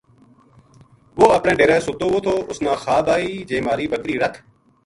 وہ اپنے ڈیرے سُتو وو تھو اس نا خواب آئی جے مھاری بکری رکھ